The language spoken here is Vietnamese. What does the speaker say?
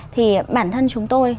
thì bản thân chúng tôi